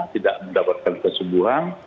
tidak mendapatkan kesembuhan